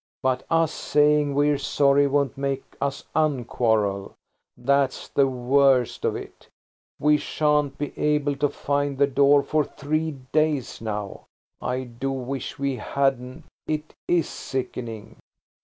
But us saying we're sorry won't make us unquarrel. That's the worst of it. We shan't be able to find The Door for three days now. I do wish we hadn't. It is sickening."